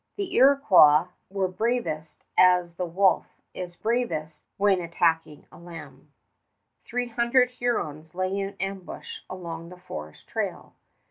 The Iroquois was bravest as the wolf is bravest when attacking a lamb. Three hundred Hurons lay in ambush along the forest trail.